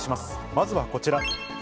まずはこちら。